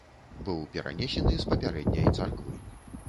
Быў перанесены з папярэдняй царквы.